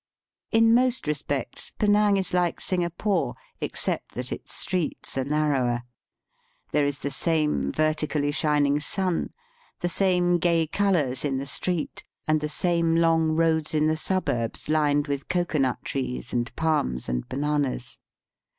In most respects Penang is like Singapore, except that its streets are narrower. There is the same vertically shining sun, the same gay colours in the street, and the same long roads in the suburbs lined with cocoa nut Digitized by VjOOQIC 136 EAST BY WEST. trees and palms and bananas.